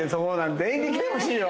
全員で来てほしいよ